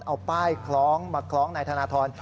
เอาป้ายคล้องมาคล้องนายธนทร